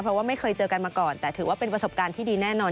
เพราะว่าไม่เคยเจอกันมาก่อนแต่ถือว่าเป็นประสบการณ์ที่ดีแน่นอน